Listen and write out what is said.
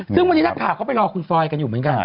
ซึ่งวันนี้นักข่าวก็ไปรอคุณฟอยกันอยู่เหมือนกัน